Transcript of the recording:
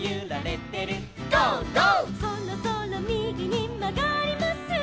「そろそろみぎにまがります」